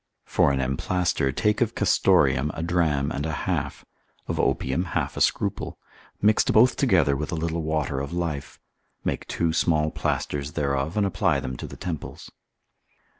For an emplaster, take of castorium a dram and a half, of opium half a scruple, mixed both together with a little water of life, make two small plasters thereof, and apply them to the temples.